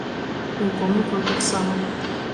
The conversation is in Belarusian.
І ў помнікаў таксама.